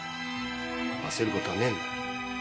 焦るこたねえんだ。